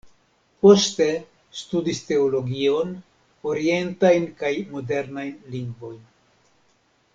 Poste studis teologion, orientajn kaj modernajn lingvojn.